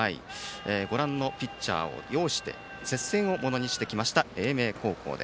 ご覧のピッチャーを擁して接戦をものにしてきた英明高校。